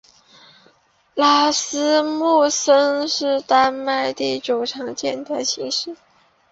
拉斯穆森是丹麦第九常见的姓氏。